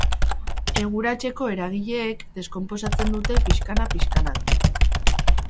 Eguratseko eragileek deskonposatzen dute pixkana-pixkana.